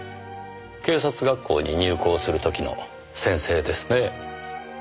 警察学校に入校する時の宣誓ですね。